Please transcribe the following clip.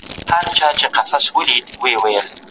که چېرې تبه لرئ، نو سمدستي له نږدې روغتون سره اړیکه ونیسئ.